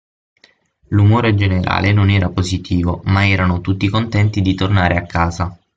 L'umore generale non era positivo, ma erano tutti contenti di tornare a casa.